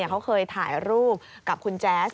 เขาเคยถ่ายรูปกับคุณแจ๊ส